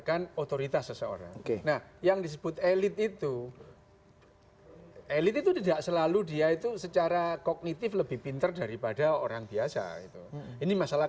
atau memang itu karena gimana